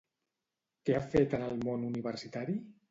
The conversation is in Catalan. Què ha fet en el món universitari?